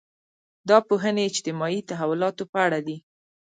دا پوهنې اجتماعي تحولاتو په اړه دي.